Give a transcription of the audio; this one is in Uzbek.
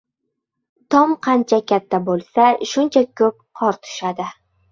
• Tom qancha katta bo‘lsa, shuncha ko‘p qor tushadi.